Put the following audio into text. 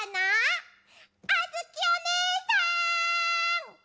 あづきおねえさん！